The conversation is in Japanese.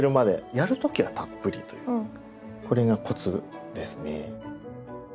やる時はたっぷりというこれがコツですね。